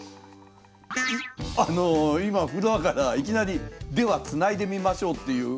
あの今フロアからいきなり「ではつないでみましょう」っていう。